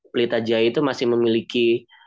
pelita jaya itu masih memiliki